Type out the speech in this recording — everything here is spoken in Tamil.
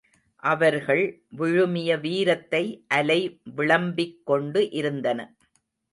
அவர்கள் விழுமிய வீரத்தை அலை விளம்பிக் கொண்டு இருந்தன.